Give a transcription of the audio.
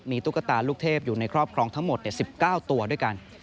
ตุ๊กตาลูกเทพอยู่ในครอบครองทั้งหมด๑๙ตัวด้วยกัน